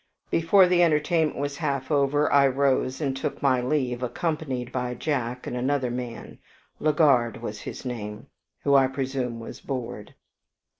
Before the entertainment was half over, I rose and took my leave, accompanied by Jack and another man, Legard was his name, who I presume was bored.